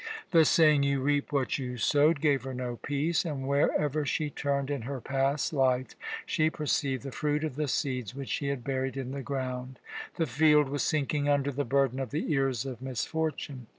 The saying "You reap what you sowed" gave her no peace, and wherever she turned in her past life she perceived the fruit of the seeds which she had buried in the ground. The field was sinking under the burden of the ears of misfortune.